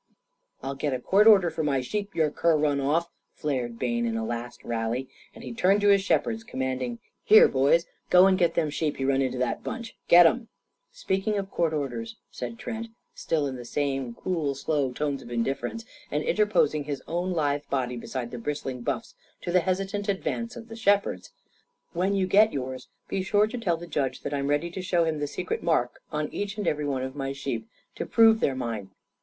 "I'll get a court order for my sheep your cur run off!" flared Bayne in a last rally; and he turned to his shepherds, commanding: "Here, boys, go and get them sheep he run into that bunch. Get 'em!" "Speaking of court orders," said Trent, still in the same cool, slow tones of indifference and interposing his own lithe body beside the bristling Buff's to the hesitant advance of the shepherds "speaking of court orders, Mr. Bayne, when you get yours, be sure to tell the judge that I'm ready to show him the secret mark on each and every one of my sheep, to prove they're mine.